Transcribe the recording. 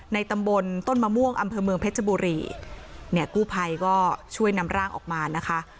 ตำบลต้นมะม่วงอำเภอเมืองเพชรบุรีเนี่ยกู้ภัยก็ช่วยนำร่างออกมานะคะ